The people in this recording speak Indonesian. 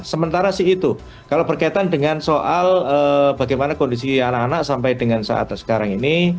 sementara sih itu kalau berkaitan dengan soal bagaimana kondisi anak anak sampai dengan saat sekarang ini